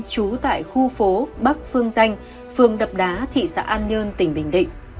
trú tại khu phố bắc phương danh phường đập đá thị xã an nhơn tỉnh bình định